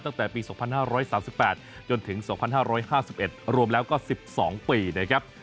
ตั้งแต่ปี๒๕๓๘จนถึง๒๕๕๑รวมแล้วก็๑๒ปีนะครับ